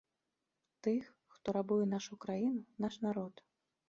Тых, хто рабуе нашу краіну, наш народ.